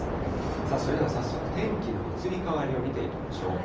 さあ、それでは早速、天気の移り変わりを見ていきましょう。